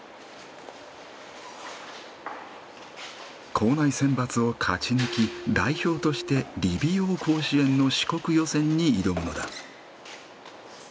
校内選抜を勝ち抜き代表として理美容甲子園の四国予選に挑むのだ。